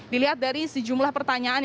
dilihat dari sejumlah pertanyaan